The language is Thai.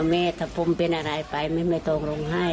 แม่ถ้าผมเป็นอะไรไปแม่ไม่ต้องร้องไห้